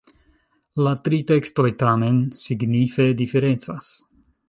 La tri tekstoj tamen signife diferencas.